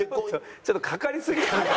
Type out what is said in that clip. ちょっとかかりすぎ。